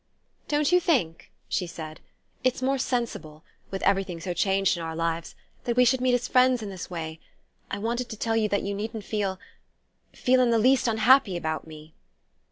"Don't you think," she said, "it's more sensible with everything so changed in our lives that we should meet as friends, in this way? I wanted to tell you that you needn't feel feel in the least unhappy about me."